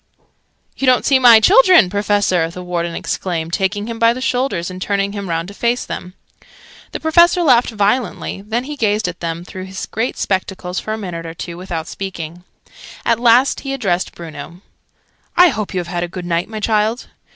"You don't see my children, Professor!" the Warden exclaimed, taking him by the shoulders and turning him round to face them. The Professor laughed violently: then he gazed at them through his great spectacles, for a minute or two, without speaking. At last he addressed Bruno. "I hope you have had a good night, my child?"